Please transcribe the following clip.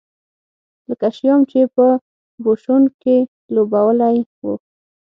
لکه شیام چې په بوشونګ کې لوبولی و.